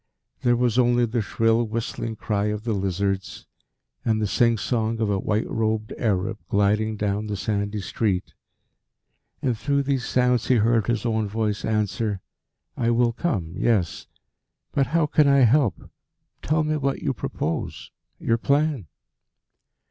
There was only the shrill whistling cry of the lizards, and the sing song of a white robed Arab gliding down the sandy street. And through these sounds he heard his own voice answer: "I will come yes. But how can I help? Tell me what you propose your plan?"